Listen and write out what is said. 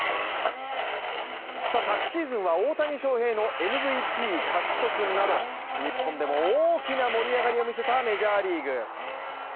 昨シーズンは大谷翔平のＭＶＰ獲得など日本でも大きな盛り上がりを見せたメジャーリーグ。